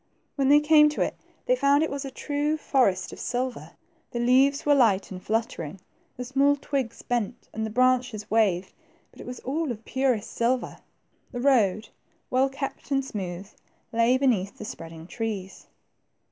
When they came to it, they found it was a true forest of silver. The leaves were light and fluttering, the small twigs bent, and the branches waved, but it was all of purest silver. The road, well kept and smooth, lay beneath the spreading trees.